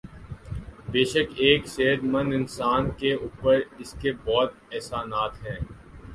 بیشک ایک صحت مند اانسان کے اوپر اسکے بہت احسانات ہیں